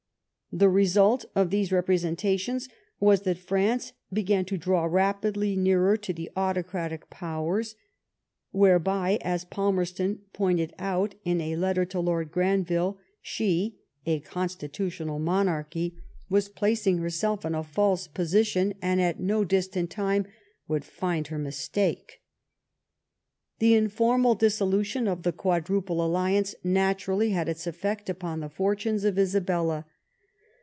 The result of these representations was that France began to draw rapidly nearer to the autocratic Powers, whereby, as Palmerston pointed out in a letter to Lord Granville, '*she [a constitutional monarchy] was placing herself 60 LIFE OF VISCOUNT PALMEB8T0N. in a false position^ and at no distant time would find her mistake/' The informal dissolution of the Quadruple Alliance naturally had its effect upon the fortunes of Isabella.